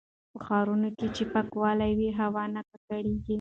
په ښارونو کې چې پاکوالی وي، هوا نه ککړېږي.